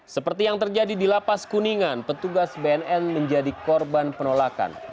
seperti yang terjadi di lapas kuningan petugas bnn menjadi korban penolakan